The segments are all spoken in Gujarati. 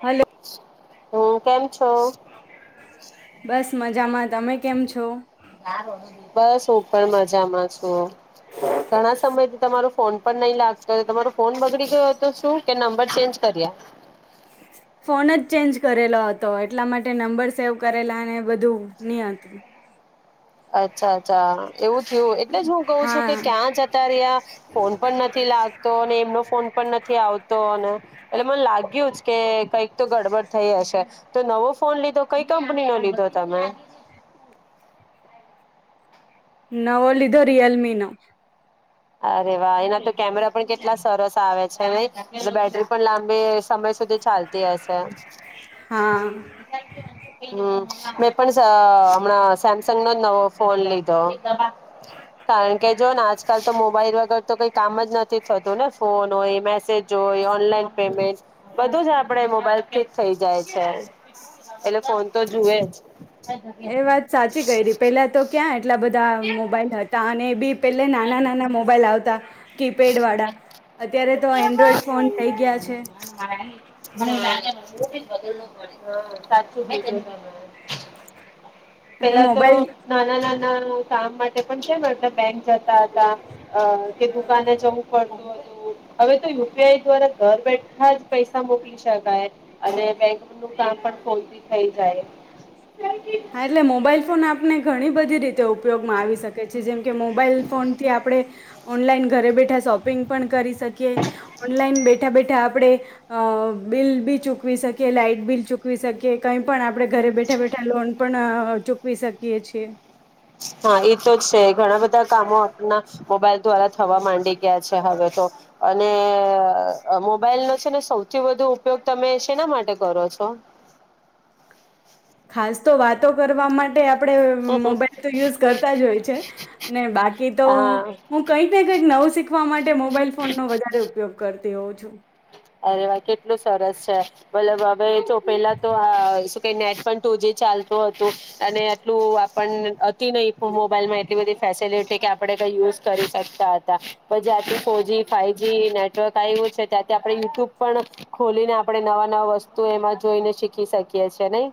હલો. હો, કેમ છો બસ. મજામાં તમે કેમ છો. હ બસ હું પણ મજામાં છુ. ઘણા સમય થી તમારો ફોન પણ નહી લાગતો. તો તમારો ફોન બગડી ગયો તો શું કે નંબર ચેન્જ કર્યા ફોન જ ચેન્જ કરેલો હતો એટલા માટે નંબર સેવ કરેલા ને બધું નહી હતું. અચ્છા, અચ્છા, એવું થયું એટલે જ હું કઉ છું. કે હા ક્યાં જતા રહ્યા ફોન પણ નથી લાગતો અને એમનો ફોન પણ નથી આવતો અને એટલે મને લાગ્યું જ. કે કંઈક તો ગડબડ થઈ હશે તો નવો ફોન લીધો કઈ કંપની નો લીધો તમે. નવો લીધો રિયલમી નો. અરે વાહ એના તો કેમેરા પણ કેટલા સરસ આવે છે. નહી બેટરી પણ લાંબી... સમય સુધી ચાલતી હશે હં. હા મે. [unintelligible] પણ શ હમણાં, સેમસંગ નો નવો ફોન લીધો કારણ કે જોને આજકાલ તો મોબાઈલ વગર તો કઈ કામ જ નથી થતું ને ફોન હોય મેસેજ જો ઓનલાઈન પેમેન્ટ બધું જ આપ આપડ મોબાઈલ ફીટ થઈ જાય છે એટલે ફોન તો જુએ. એ વાત સાચી કરી ર પેલા તો ક્યાં એટલા બધા ધા મોબાઈલ હતા અને બી પેલા નાના નાના મોબાઈલ આવતા. [unintelligible] કીપેડ વાળા અત્યારે તો એન્ડ્રોઈડ ફોન થઈ ગયા છે [unintelligible] સાચું કીધું તમે અને પેલા તો મોબાઈલ નાના નાના કામ માટે પણ છે ને એટ બેંક જતા હતા અ કે જવું પડ હવે તો યુપીઆઈ દ્વારા ઘર બેઠા જ પૈસા મોકલી શકાય અને બેંક નું કામ પણ ખોલતી થઈ જાય. હા એટલે મોબાઈલ ફોન આપણે ઘણી બધી રીતે તે ઉપયોગમાં આવી શકે છે જેમ કે મોબાઈલ ફોન થી આપણે ઓનલાઈન ઘરે બેઠા શોપિંગ પણ કરી શકીએ ઓનલાઈન બેઠા બેઠા આપણે બિલ બી ચૂકવી શકીએ લાાઈટ બિલ ચૂકવી શકીએ કંઈ પણ આપણે પણે ઘરે બેઠા બેઠા લોન પણ ચૂકવી શકીએ છીએ. હા એતો જ છે ઘણા બધા કામ હો આપના મોબાઈલ દ્વારા થવા માંડી ગયા છે, હવે તો અને મોબાઈલ નો છે ને સૌથી વધુ ઉપયોગ તમે શેના માટે કરો છો. ખાસ તો વાતો કરવા માટે આપ પણે મોબાઈલ તો યુઝ કરતા જ હોય છે ને બાકી તો હા હું કંઈક ને કંઈક નવું શીખવા માટે મોબાઈલ ફોનનો વધારે ઉપયોગ કરતી તેઓ જ અરે વા એટલું સરસ છે બલબ ભ ચો પેલા તો કે નેટ પણ ટુ જી ચાલતું હતું અને એટલું આપ હતી નહ મોબાઈલમાં એટલી બધી ફેસિલિટી કે આપે કઈ યુઝ કરી શકતા હતા પણ જ્યાંથી ફોરજી ફાઈવ જ નેટવર્ક આવ્યું છે ત્યાં આપણે યુટ્યુબ પણ ખોલીને આપણે નવા નવા વસ્તુ એમાં જોઈને શીખી શકીએ છેએ નઈ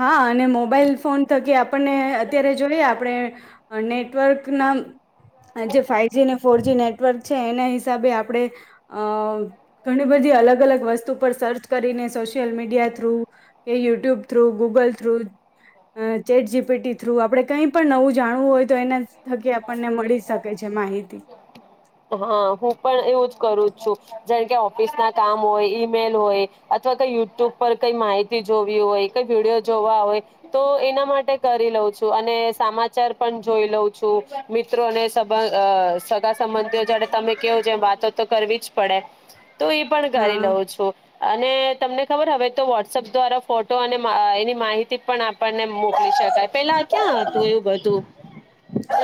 હા અને મોબાઈલ ફોન થકી આપણને અત્યારે જોઈએ આપણે નેટવર્કના જે ફાાઈવજી અનેને ફોરજી નેટવર્ક છે એના હિસાબે આપણે અ ઘણી બધી અલગ અલગ વસ્તુ પર સર્ચ કરીને સોશિયલ મીડિયા થ્રુ કે YouTube through Google through ChatGPT through આપણે કંઈ પણ નવું જાણવું હોય તો એના થકી આપણને મળી શકે છે માહિતી હા હું પણ એવું જ કરું જ છું જે કે ઓફિસ ના કામ હોય એ મેલ હોય અથવા કઈ યુટ્યુબ પર કઈ માહિતી જોવી હોય કઈ વિડીયો જોવા હોય તો એના માટે કરી લઉ છું અને સમાચાર પણ જોઈ લઉ છું મિત્રોને સબંધ સગા સંબંધ જયારે તમે કેહો જે વાતો તો કરવી જ પડે તો એ પણ કરી હા લઉ છો અને તમને ખબર હવે તો વોટ્સઅપ દ્વારા ફોટો અને એની માહિતી પણ આપણને મોકલી શકાય પેલા ક્યાં હતું એવું બધું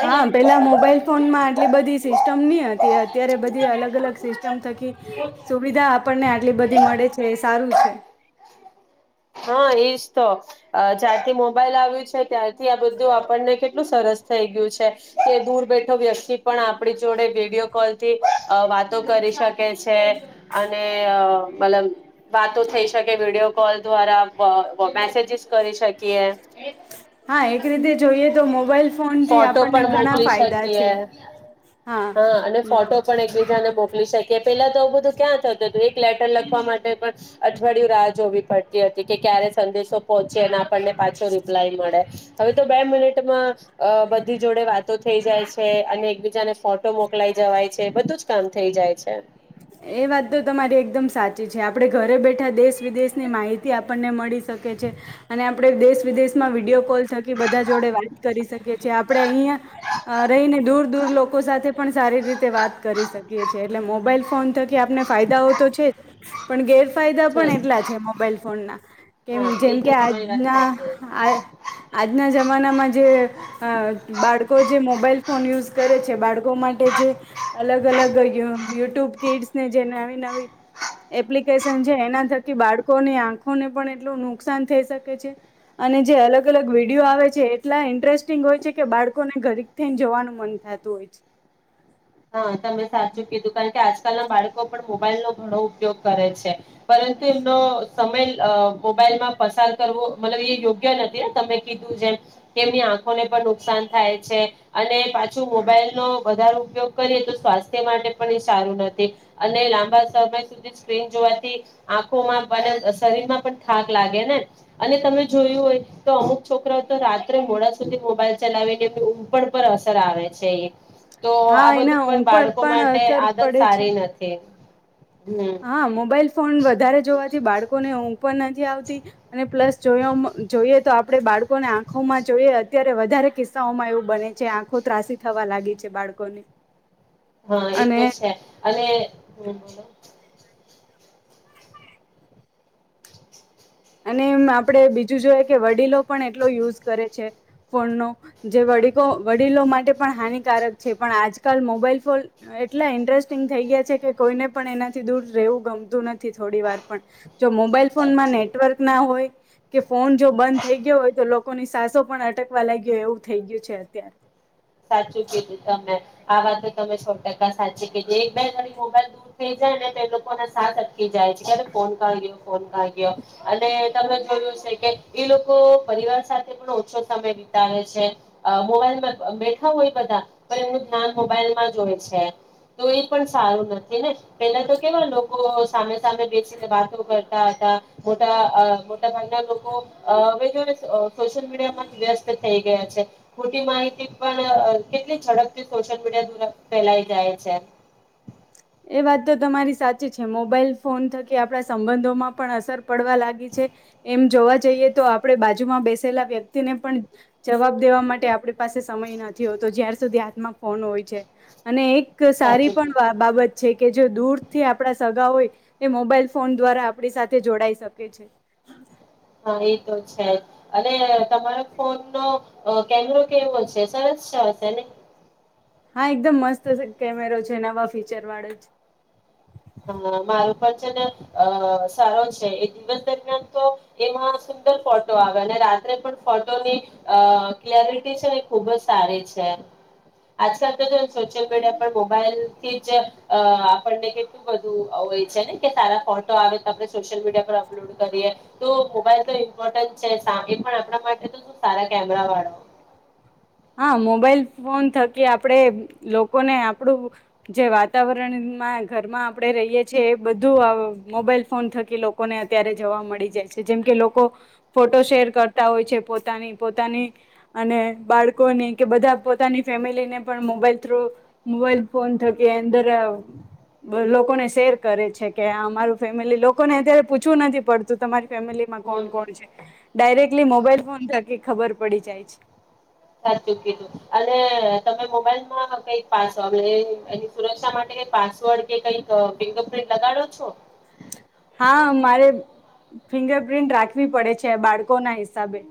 હા પેલા મોબાઈલ ફોન માં આટલી બધી સિસ્ટમ ની હતી અત્યારે બધી અલગ અલગ સિસ્ટમ થકી સુવિધા આપણને આટલી બધી મળે છે એ સારું છે હા એજ તો જ્યારથી મોબાઈઇલ આવ્યું છે ત્યારથી આ બધું આપણને એટલું સરસ થઈ ગયું છે કે દૂર બેઠો વ્યક્તિ પણ આપણી જોડે વિડીિયો કોલ થી અ વાતો કરી શકે કે છે અને [unintelligible] વાતો થઈ શકે વિડીયો કોલ દ્વારા મેસેજીસ કરી શકે કે હા એક રીતે જોઈએ તો મોબાઈલ ફોનથી ફોટો આપણને પણ ઘણા મોકલી ફાયદા શકીએ છે હા અને ફોટો પણ એકબીજાને મોકલી શકીએ. કે પેલા તોું બધું ક્યાં થતું હતું એક લેટર લખવા માટે પણ અઠવાડિયું રાહ જોવી પડતી હતી કે ક્યારે સંદેશો પહોંચીને આપણને પાછો રિપ્લાય મળે. હવે તો બે મિનિટમાં અ બધી જોડે વાતો થઈ જાય છે અને એકબીજાને ફોટો મોકલાઈ જવાય છે બધું જ કામ થઇ જાય છે. એ વાત તો તમારી એકદમ સાચી છે. આપડે ઘરે બેઠા દેશ વિદેશની માહિતી આપી આપણને મળી શકે છે અને આપણે દેશ વિદેશમાં વિડીયો કોલ થકી બધા જોડે વાત કરી શકીએ છએ આપણે અહિયાયા રહીને દૂર દૂર લોકો સાથે પણ સારી રીતે વાત કરી શકીએ છીએ એટલે મોબાઈલ ફોન ફોન થકી આપને ફાયદાઓ તો છે પણ ગેર ફાયદા છે પણ એટલા છે મોબાઈલ ફોનના કેમ હા જેમ એ કે તો તમારી વાત આજના સાચી આ આજના જમાનામાં જે બાળકો જે મોબાઈલ ફોન યુઝ કરે છે બાળકો માટે જે અલગ અલગ યુટ્યુબ નવી નવી એપ્લિકેશન એના થકી બાળકોની આંખોને પણ એટલું નુકસાન થઈ શકે છે અને જે અલગ અલગ વિડીિયો આવે છે એટલા ઇન્ટરેસ્ટિંગ હોય છે કે બાળકોને ઘરી થઈને જવાનું મન થતું હોય છે. હા તમે સાચું કીધું કારણ કે આજકાલના બાળકો પણ મોબાઈલ નો ઘણો ઉપયોગ કરે છે. પરંતુ એમનો સમય મોબાઈલમાં પસાર કરવો મતલબ એ યોગ્ય નથી ને તમે કીધું જેમ કે એમની આંખોને પણ નુકસાન થાય છે અને પાછો મોબાઈલનો વધારે ઉપયોગ કરીએ તો સ્વાસ્થ્ય માટે પણ એ સારું નથી અને લાંબા સમય સુધી સ્ક્રીન જોવાથી આંખોમાં અને શરીરમાં પણ થાક લાગે ને અને તમે જોયું હોય તો અમુક છોકરાઓ તો રાત્રે મોડા સુધી મોબાઈલ ચલાવીને ઉપ પર આવે છે તો હા આ બધું એના પણ ઉપર બાળકો પણ માટે અસર આદત પડે છે સારી નથી. હમ હા મોબાઈલ ફોન વધારે જોવાથી બાળકોને હું ઉપ નથી આવતી અને પ્લસ જો જોઈએ તો આપણે બાળકોને આંખોમાં જોઈએ અત્યારે વધારે કિસ્સાઓમાં એવું બને છે આંખો ત્રાસી થવા લાગી છે બાળકોને હા એતો જ છે અને હ બોલો અને એમ આપડણે બીજું જોઈએ કે વડીલો પણ એટલો યુઝ કરે છે ફોનનો જેડી વડીલો માટે પણ હાનિકારક છે પણ આજકાલ મોબાઈલ ફોન એટલા ઇન્ટરેસ્ટિંગ થઈ ગયા છે કે કોઈને પણ એનાથી દૂર રહેવું ગમતું નથી થોડી વાર પણ જો મોબાઈલ સાચું ફોનમાંને હોય કે ફોન જો બંધ થઈ ગયો હોય તો લોકો લોકોની સાસો પણ અટકવા લાગયો એવું થઈ ગયું છે અત્યારે સાચું કીધું તમે આ વાત તમે સો ટકા સાચી કે જે એક બે ઘરી મોબાઈલ દૂર થઈ જાય ને તે લોકો ના સાથ અટકી જાય છે ફોન કાયો ફોન કાયો અને તમે જોયું છે કે એ લોકો પરિવાર સાથે પણ ઓછો સમય વિતાવે છે મોબાઈલમાં હો બ એમ ધ્યાન મોબાઈલમાં જ હોય છે તો એ પણ સારું નથી ને પેલા તો કેવ લોકો સામે સામે બેસીને વાતો કર હતા મોટા મોટા ભાનના લોકો સોશિયલ મીડિયા માં વ્યસ્ત થઇ ગયા છે ખટી માહિતી પણ કેટલી ઝડપથી સોશિયલ મીડિયા દ્વારા ફેલાઈ જાય છે એ વાત તો તમારી સાચી છે મોબાઈલ ફોન થકી આપણા સંબંધોમાં પણ અસર પડવા લાગી છે એમ જોવા જઈએ તો આપણે બાજુમાં બેસેલા વ્યક્તિને પણ જવાબ દેવા માટે આપણી પાસે સમય નથી હોતો જ્યાાર સુધી હાથમાં ફોન હોય છે અને એક એક સારી સાચું કીધું પણ બાબત દૂર થી આપડા સગા હોય એ મોબાઈલ ફોન દ્વારા આપણી સાથે જોડાઈ શકે છે હા એ તો છે અને તમારો ફોન નો કેમેરો કેવો છે સરસ છે હશે ને હા એકદમ મસ્ત કેમેરો છે જે નવા ફીચર વાળે જ હ મારું પણ છે ને અ સરો છે એ દિવસ દરમિયાન તો એમાં સુંદર ફોટો આવે અને રાત્રે પણ ફોટોની અ ક્લેરિટી છેને ખુબ જ સારી છે આજકાલ તો સોશિયલ મીડિયા પર મોબાઈલ કે જ અ આપણને એ બધું હોય છે ને કે સારા ફોટો આવે તો આપ સોશિયલ મીડ અપલોડ કરીએ તો મોબાઈલ તો ઇમ્પોર્ટન્ટ પણ આપણા માટે તો શું સારા કેમેરા વાળા હા મોબાઈલ ફોન થકી આપણેે લોકોને આપણું જે વાતાવરણમાં ઘરમાં આપણે રહીએ છીએ એ બધું મોબાઈલ ફોન થકી લોકોને અત્યારે જોવા મળી જાય છે જેમ કે લોકો ફોટો શેર કરતા હોય છે પોતાની પોતાની અને બાળકો લોકોની કે બધા પોતાની ફેમિલીને પણ મોબાઈલ થ્રુ મોબાઈલ ફોન થકી અંદર લોકોને શેર કરે છે કે અમારું ફેમિલી લોકોને અત્યારે પૂછવું નથી પડતું તમારે કો હમ કોણ છે ડાયરેક્ટલી મોબાઈલ ફોન થકી ખબર બડી જાય છે સાચું કીધું અને તમે મોબાઈલમાં કઈક પાસ એની સુરક્ષા માટે કઈ પાસવર્ડ કે કઈક ફિંગર પ્રિન્ટ લગાડો છો હા મારે ફિંગર પ્રિન્ટ રાખવી પડે છે બાળકો ના હિસાબે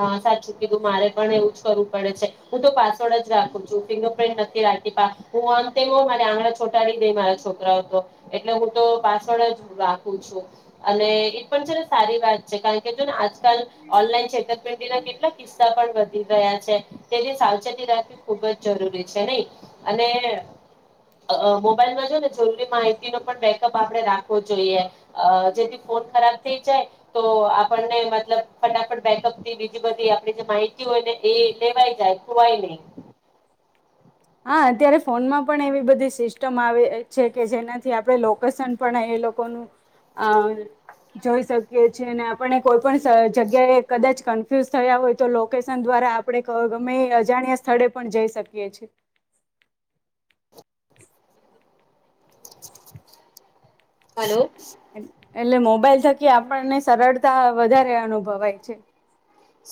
હા સાચું કીું મારે પણ એવું જ કરવું પડે છે હું તો પાસવર્ડ જ રાખું છું ફિંગરપિન્ટ નથી રાખી હું અંતમ મારે આંગણા છોટાડી દઈ મારા છોકરા હતો એટલે હું તો પાસવર્ડ જ રાખું છું અને એ પણ છે ને સારી વાત છે કારણ કે જો ને આજકાલ ઓનલાઈન કષે કેટલા કિસ્સા પણ વધી રહ્યા છે તેની સાવચેતી રાખવી ખુબ જ જરૂરી છે નહી અને મોબાઈલમાં જો ને જરૂરી માહિતીનો પણ બેકઅપ આપણે રાખવો જોઈએ જેથી ફોન ખરાબ થઈ જાય તો આપણને મતલબ ફટાફટ બેકઅપ બીજી બધી આપે જે માહિતી હોય ને એ લેવાય જાય ખવાય નહી હા અત્યારે ફોનમાં પણ એવી બધી સિસ્ટમ આવે છે કે જેનાથી આપણે લોકેશન પણ એ લોકોનું અ જોઈ શકીએ છેીએ અને આપને કોઈ પણ જગ્યાએ કદાચ કન્ફ્યુઝ થયા હોય તો લોકેશન દ્વારા આપણે ગમે અજાણ્યા સ્થળે પણ જઈ શકીએ છીએ [unintelligible] હલો [unintelligible] એટલે મોબાઈલ થકી આપણને સરળતા વધારે અનુભવાય છે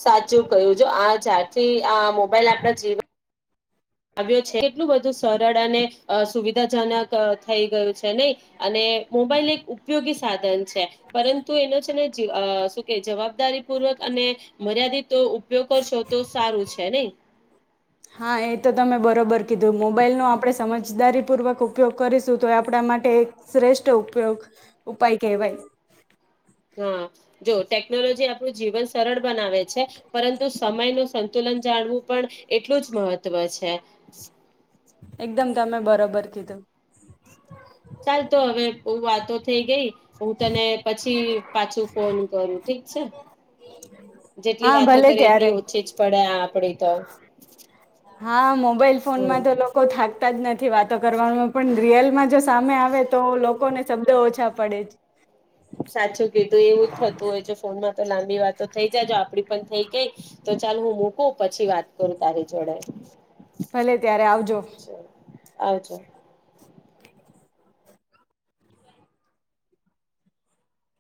સાચું કહ્યું જો આ જ્યારથી આ મોબાઈલ આપણા જીવન આવ્યો છે કેટલું બધું સરળ અને સુવિધાજનક થઈ ગયું છે નહી અને મોબાઈલ એક ઉપયોગી સાધન છે પરંતુ એનો છે ને શું કે જવાબદારી પૂર્વક અને મર્યાદિત તો ઉપયોગ કરશો તો સારું છે નહી હા એ તો તમે બરોબર કીધું મોબાઈલનો આપણે સમજદારીપૂર્વક ઉપયોગ કરીશું તો એ આપણા માટે એક શ્રેષ્ઠ ઉપયોગ ઉપાય કહેવાય હા જો ટેકનોલોજી આપણું જીવન સરળ બનાવે છે પરંતુ સમય નું સંતુલન જાણવું પણ એટલું જ મહત્વ છે એકદમ તમે બરોબર કીધું ચાલ તો હવે બ વાતો થઈ ગઈ હું તને પછી પાછું ફોન કરું ઠીક છે હા જેટલી વાતો ભલે કરે ત્યારે એટલી ઓછી જ પડે આ આપડી તો હા મોબાઈલ હમ ફોનમાં તો લોકો થાકતા જ નથી વાતો કરવા રય જો સામે આવે તો લોકો ને શબ્દ ઓછા પડે સાચું કીધું એવું જ થતું હોય છે ફોનમાં તો લાંબી વાતો થઈ જાય જો આપડી થઈ ગઈ તો ચાલ હું મૂકું પછી વાત કરું તારી જોડે ભલે ત્યારે આવજો આવછો